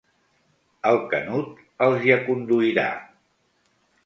El Canut els hi aconduirà.